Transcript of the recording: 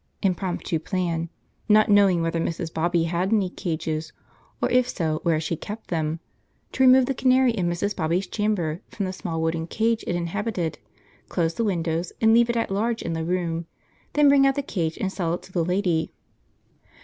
(Impromptu plan: not knowing whether Mrs. Bobby had any cages, or if so where she kept them, to remove the canary in Mrs. Bobby's chamber from the small wooden cage it inhabited, close the windows, and leave it at large in the room; then bring out the cage and sell it to the lady.)